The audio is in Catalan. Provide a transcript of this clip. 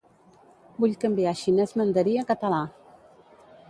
Vull canviar xinès mandarí a català.